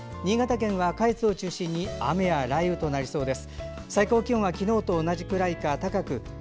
新潟県は下越を中心に雨や雷雨となりそうです。